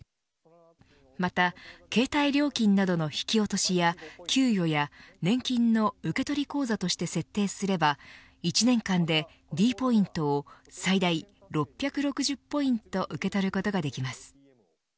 また携帯料金などの引き落としや給与や年金の受け取り口座として設定すれば１年間でｄポイントを最大６６０ポイント受け取ることができます。